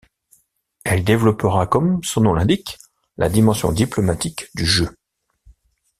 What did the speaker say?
Elle développera, comme son nom l'indique, la dimension diplomatique du jeu.